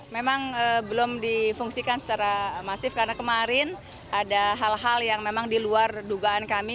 memang belum difungsikan secara masif karena kemarin ada hal hal yang memang diluar dugaan kami